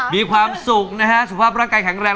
มีความสุขนะฮะสุขภาพร่างกายแข็งแรง